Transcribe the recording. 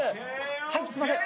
はいすいません。